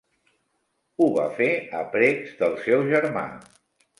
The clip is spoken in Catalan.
Ho va fer a precs del seu germà.